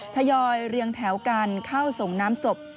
ทยอยเรียงแถวกันเข้าส่งน้ำศพ